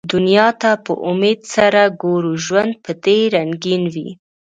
دنیا ته په امېد سره ګوره ، ژوند به دي رنګین وي